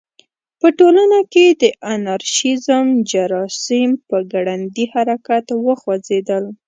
په ټولنه کې د انارشیزم جراثیم په ګړندي حرکت وخوځېدل.